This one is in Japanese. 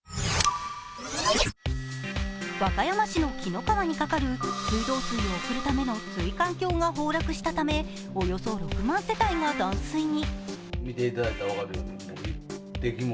和歌山市の紀の川にかかる水道水を送るための水管橋が崩落したためおよそ６万世帯が断水に。